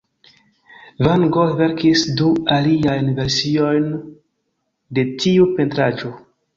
Van Gogh verkis du aliajn versiojn de tiu pentraĵo.